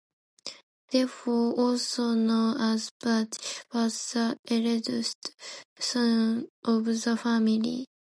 DeFeo, also known as "Butch", was the eldest son of the family.